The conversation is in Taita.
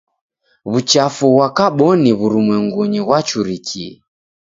W'uchafu ghwa kaboni w'urumwengunyi ghwachurikie.